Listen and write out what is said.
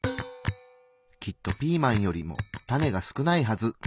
きっとピーマンよりもタネが少ないはず。